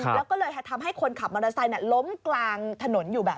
แล้วก็เลยทำให้คนขับมอเตอร์ไซค์ล้มกลางถนนอยู่แบบ